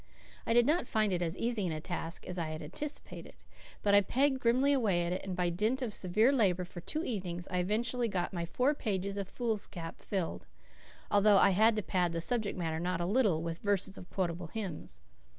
I did not find it as easy a task as I had anticipated; but I pegged grimly away at it, and by dint of severe labour for two evenings I eventually got my four pages of foolscap filled, although I had to pad the subject matter not a little with verses of quotable hymns.